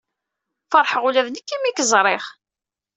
Feṛḥeɣ ula d nekk imi k-ẓṛiɣ.